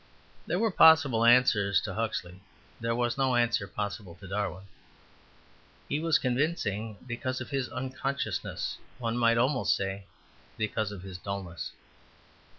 There were possible answers to Huxley; there was no answer possible to Darwin. He was convincing because of his unconsciousness; one might almost say because of his dulness.